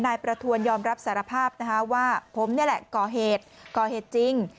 นายประทวนยอมรับสารภาพนะคะว่าผมนี่แหละก่อเหตุก่อเหตุจริง